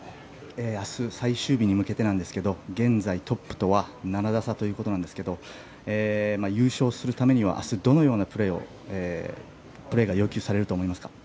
明日最終日に向けてですが現在トップとは７打差ということなんですけど優勝するためには明日どのようなプレーが要求されると思いますか？